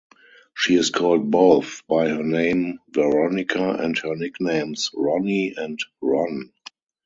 She is called both by her name "Veronica" and her nicknames "Ronnie" and "Ron.